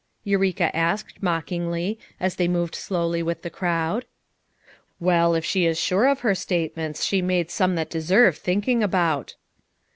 Eureka asked mockingly, as they moved slowly with the crowd. "Well, if she is sure of her statements she made some that deserve thinking about."